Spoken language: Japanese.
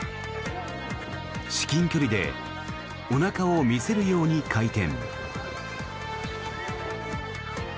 至近距離でおなかを見せるように回転。